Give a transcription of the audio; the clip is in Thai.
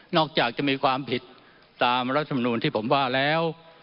จากจะมีความผิดตามรัฐมนูลที่ผมว่าแล้ว